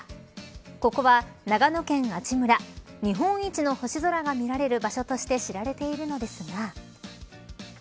ここは、長野県阿智村日本一の星空が見られる場所として知られているのですが。